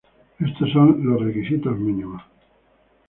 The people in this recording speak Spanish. Estos son los requisitos "mínimos".